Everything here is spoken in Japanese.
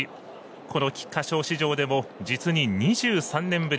この菊花賞史上でも実に２３年ぶり。